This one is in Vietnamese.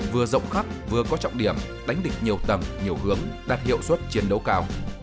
vừa rộng khắc vừa có trọng điểm đánh địch nhiều tầm nhiều hướng đạt hiệu suất chiến đấu cao